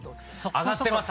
上がってます！